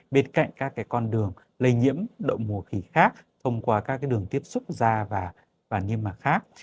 bên cạnh các cái con đường lây nhiễm động mùa khỉ khác thông qua các cái đường tiếp xúc ra và nghiêm mặt khác